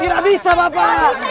tidak bisa bapak